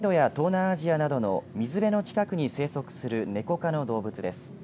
スナドリネコはインドや東南アジアなどの水辺の近くに生息するネコ科の動物です。